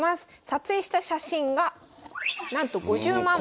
撮影した写真がなんと５０万枚。